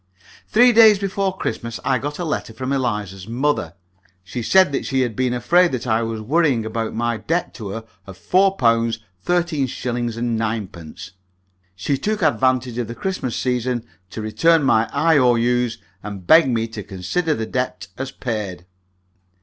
Three days before Christmas I got a letter from Eliza's mother. She said that she had been afraid that I was worrying about my debt to her of £4 13_s._ 9_d._ She took advantage of the Christmas season to return my I.O.U.'s, and begged me to consider the debt as paid.